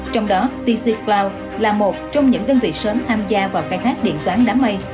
trong đó tc floud là một trong những đơn vị sớm tham gia vào khai thác điện toán đám mây